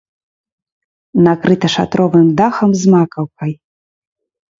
Накрыта шатровым дахам з макаўкай.